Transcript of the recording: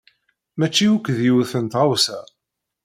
Mačči akk d yiwet n tɣawsa.